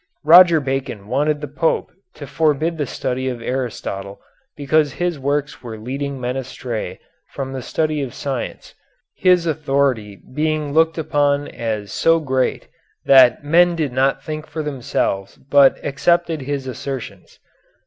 Roger Bacon wanted the Pope to forbid the study of Aristotle because his works were leading men astray from the study of science, his authority being looked upon as so great that men did not think for themselves but accepted his assertions.